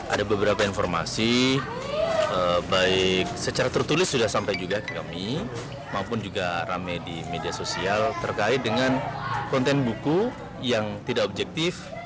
ada beberapa informasi baik secara tertulis sudah sampai juga ke kami maupun juga rame di media sosial terkait dengan konten buku yang tidak objektif